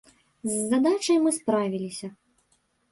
З задачай мы справіліся.